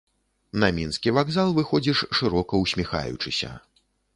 На мінскі вакзал выходзіш шырока ўсміхаючыся.